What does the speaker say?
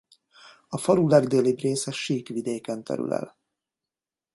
A falu legdélibb része sík vidéken terül el.